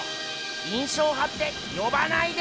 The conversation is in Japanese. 印象派って呼ばないで！